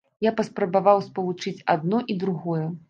Я паспрабаваў спалучыць адно і другое.